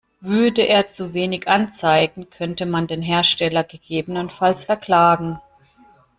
Würde er zu wenig anzeigen, könnte man den Hersteller gegebenenfalls verklagen.